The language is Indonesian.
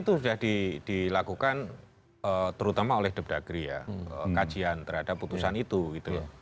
itu sudah dilakukan terutama oleh deb dagri ya kajian terhadap putusan itu gitu ya